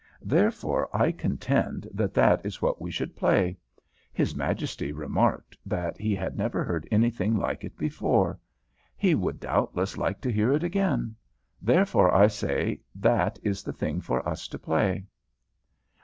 Therefore I contend that that is what we should play. His Majesty remarked that he had never heard anything like it before. He would doubtless like to hear it again. Therefore I say that is the thing for us to play."